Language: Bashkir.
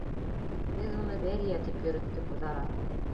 Беҙ уны Берия тип йөрөттөк үҙ-ара.